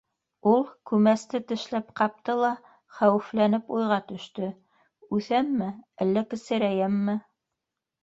Ул күмәсте тешләп ҡапты ла, хәүефләнеп, уйға төштө: —Үҫәмме, әллә кесерәйәмме?